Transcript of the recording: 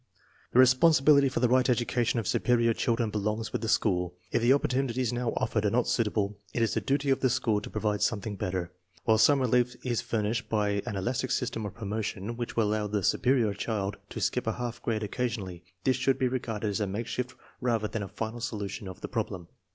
The re sponsibility for~tEelpight education of superior children belongs with the school. If the opportunities now offered are not suitable, it is the duty of the school to provide something better. While some relief is fur nished by an elastic system of promotion which will allow the superior child to skip a half grade occasion ally, this should be regarded as a makeshift rather than a final solution of the problem.